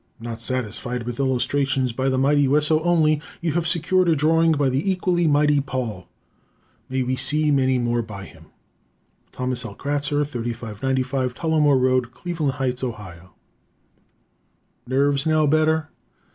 Not satisfied with illustrations by the mighty Wesso only, you have secured a drawing by the equally mighty Paul! May we see many more by him? Thomas L. Kratzer, 3595 Tullamore Rd., Cleveland Heights, Ohio. _Nerves Now Better?